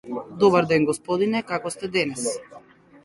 Добар ден Господине, како сте денес?